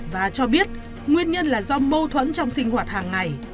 và cho biết nguyên nhân là do mâu thuẫn trong sinh hoạt hàng ngày